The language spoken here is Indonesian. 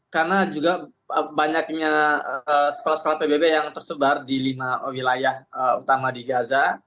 karena juga banyaknya sekolah sekolah pbb yang tersebar di lima wilayah utama di gaza